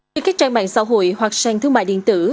trên các trang mạng xã hội hoặc sàn thương mại điện tử